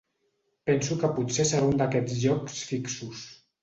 Penso que potser serà un d'aquests llocs fixos.